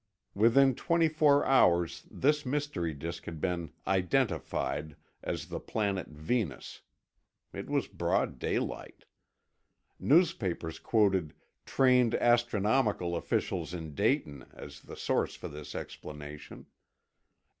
Within twenty four hours this mystery disk had been "identified" as the planet Venus. (It was broad daylight.) Newspapers quoted "trained astronomical officials in Dayton" as the source for this explanation.